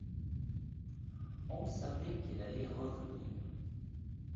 On savait qu'elle allait revenir.